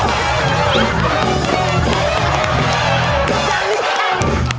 เวลาร้านโชว์ยังมีเหตุ